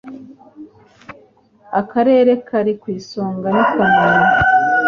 Akarere kari ku isonga ni Kamonyi